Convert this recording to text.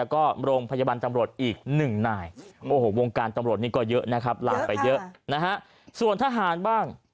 โคหกวงการตำรวจก็เยอะนะครับลางไปเยอะนะฮะส่วนทหารบ้าง